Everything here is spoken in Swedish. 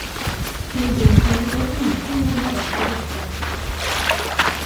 Men Dunfin ville inte ge henne rätt i detta.